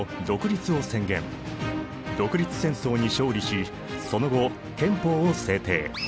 独立戦争に勝利しその後憲法を制定。